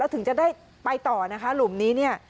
แล้วถึงจะได้ไปต่อหลุมนี้